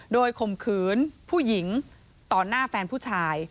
โดยข่มขืนผู้หญิงต่อหน้าแฟนผู้ชาย